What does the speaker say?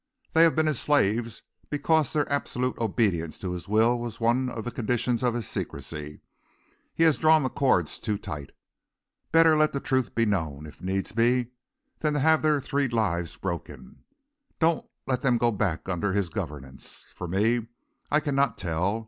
"They have been his slaves because their absolute obedience to his will was one of the conditions of his secrecy. He has drawn the cords too tight. Better let the truth be known, if needs be, than have their three lives broken. Don't let them go back under his governance. For me, I cannot tell.